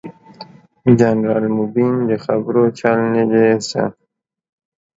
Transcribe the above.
جنرال مبين ده خبرو چل نه دې زده.